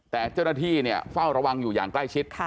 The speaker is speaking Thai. แต่เจ้าหน้าที่เฝ้าระวังอยู่อย่างใกล้ชิด